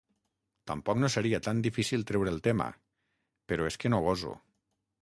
Tampoc no seria tan difícil treure el tema, però és que no goso.